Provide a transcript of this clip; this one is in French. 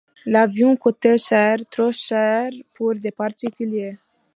L'avion coûtait cher, trop cher pour des particuliers.